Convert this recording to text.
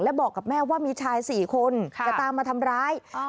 แล้วบอกกับแม่ว่ามีชายสี่คนค่ะจะตามมาทำร้ายอ่า